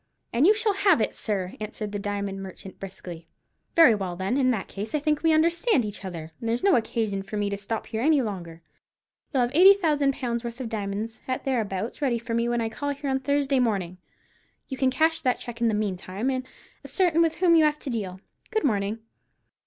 "And you shall have it, sir," answered the diamond merchant, briskly. "Very well, then; in that case I think we understand each other, and there's no occasion for me to stop here any longer. You'll have eighty thousand pounds' worth of diamonds, at thereabouts, ready for me when I call here on Thursday morning. You can cash that cheque in the meantime, and ascertain with whom you have to deal. Good morning."